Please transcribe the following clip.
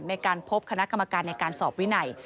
ในการพบคณะกรรมการในการสอบวินัย